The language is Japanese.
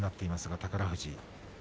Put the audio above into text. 宝富士。